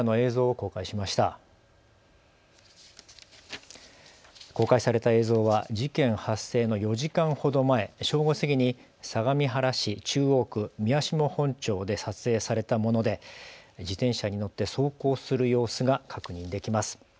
公開された映像は事件発生の４時間ほど前、正午過ぎに相模原市中央区宮下本町で撮影されたもので自転車に乗って走行する様子が確認できます。